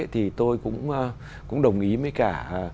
thì tôi cũng đồng ý với cả